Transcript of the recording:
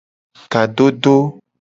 Kadodo.